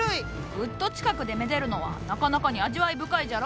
ぐっと近くでめでるのはなかなかに味わい深いじゃろ？